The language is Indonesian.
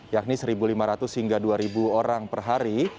yakni satu lima ratus hingga dua orang per hari